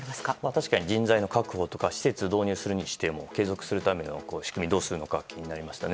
確かに人材の確保とか施設を導入するにしても継続するための仕組みをどうするか気になりました。